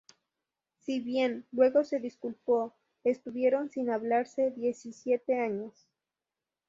Si bien luego se disculpó, estuvieron sin hablarse diecisiete años.